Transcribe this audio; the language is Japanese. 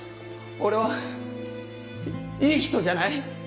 俺はいい人じゃない。